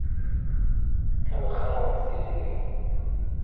Tkellex-awent Tiziri.